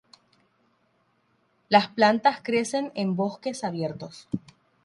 Las plantas crecen en bosques abiertos.